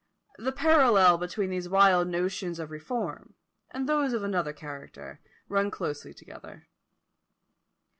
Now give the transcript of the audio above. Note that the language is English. The parallel between these wild notions of reform, and those of another character, run closely together.